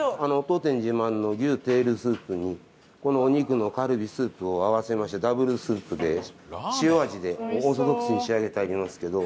当店自慢の牛テールスープにこのお肉のカルビスープを合わせましてダブルスープで塩味でオーソドックスに仕上げてありますけど。